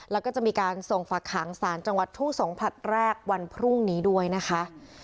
แล้วก็จะมีการส่งฝากหางศาลจังหวัดทุ่งสงศัดแรกวันพรุ่งนี้ด้วยนะคะ